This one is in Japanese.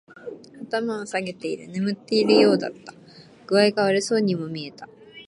頭を下げている。眠っているようだった。具合が悪そうにも見えた。